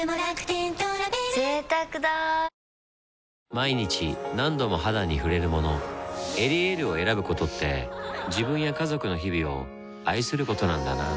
毎日何度も肌に触れるもの「エリエール」を選ぶことって自分や家族の日々を愛することなんだなぁ